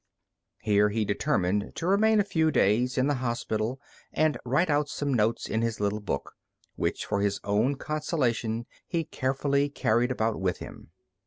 Here he determined to remain a few days in the hospital and write out some notes in his little book, which for his own consolation he carefully carried about with him.